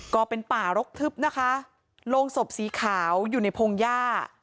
ก็เป็นป่ารกทึบนะคะโรงศพสีขาวอยู่ในพงหญ้า